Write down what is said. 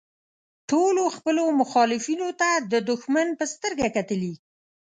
ټولو خپلو مخالفینو ته د دوښمن په سترګه کتلي.